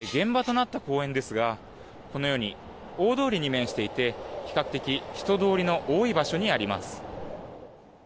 現場となった公園ですがこのように大通りに面していて比較的、人通りの多い場所にあります。